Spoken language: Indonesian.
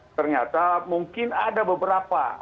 ternyata mungkin ada beberapa